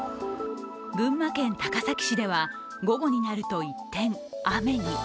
群馬県高崎市では午後になると一転、雨に。